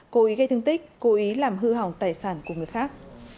cố ý gây thương tích cố ý làm hư hỏng tài sản của người khác